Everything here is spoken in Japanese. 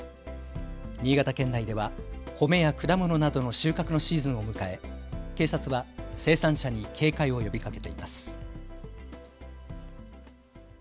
新潟県内ではコメや果物などの収穫のシーズンを迎え警察は生産者に警戒を呼びかけています。